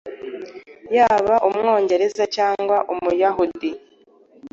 Yaba Umwongereza cyangwa Umuyahudi.